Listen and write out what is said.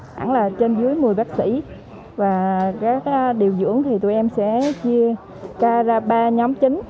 khoảng là trên dưới một mươi bác sĩ và các điều dưỡng thì tụi em sẽ chia ca ra ba nhóm chính